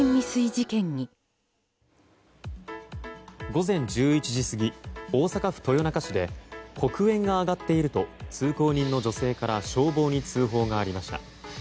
午前１１時過ぎ大阪府豊中市で黒煙が上がっていると通行人の女性から消防に通報がありました。